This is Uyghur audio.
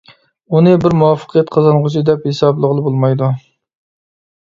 ئۇنى بىر مۇۋەپپەقىيەت قازانغۇچى دەپ ھېسابلىغىلى بولمايدۇ.